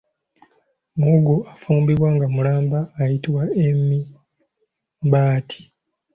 Muwogo afumbibwa nga mulamba ayitibwa emimbati.